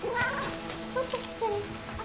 ちょっと失礼。